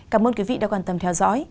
cảm ơn quý vị đã quan tâm theo dõi